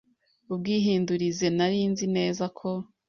ubwihindurize Nari nzi neza ko